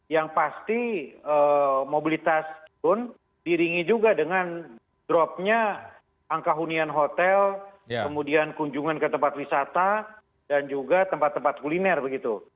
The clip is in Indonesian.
yang pasti mobilitas pun diringi juga dengan dropnya angka hunian hotel kemudian kunjungan ke tempat wisata dan juga tempat tempat kuliner begitu